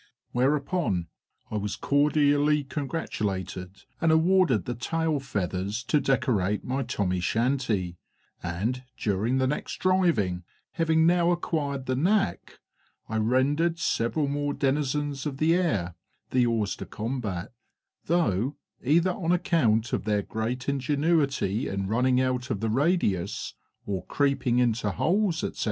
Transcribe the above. Whereupon I was cordially congratulated, and awarded the tail feathers to decorate my "tommy shanty," and during the next driving, having now acquired the knack, I rendered several more denizens of the air the hors de combats, though either on account of their great ingenuity in running out of the radius, or creeping into holes, etc.